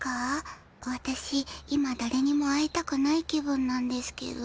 わたし今だれにも会いたくない気分なんですけど。